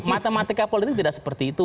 matematika politik tidak seperti itu